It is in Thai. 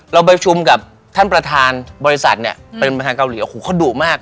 เราประชุมกับท่านประธานบริษัทเนี่ยเป็นประธานเกาหลีโอ้โหเขาดุมาก